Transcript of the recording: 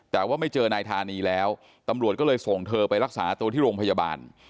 แต่ว่าไม่เจอนายธานีแล้วตำรวจก็เลยส่งเธอไปรักษาตัวที่โรงพยาบาล